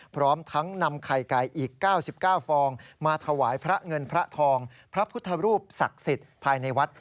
พร้อมทั้งนำไข่ไก่อีก๙๙ฟองมาถวายพระเงินพระทองพระพุทธรูปศักดิ์สิทธิ์ภายในวัด